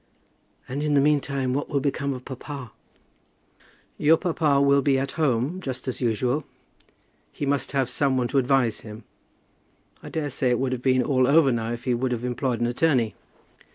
"And in the meantime what will become of papa?" "Your papa will be at home, just as usual. He must have some one to advise him. I dare say it would have been all over now if he would have employed an attorney."